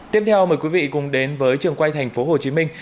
tiếp theo mời quý vị cùng đến với trường quay thành phố hồ chí minh